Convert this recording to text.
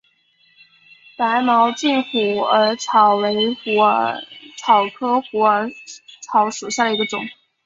白毛茎虎耳草为虎耳草科虎耳草属下的一个种。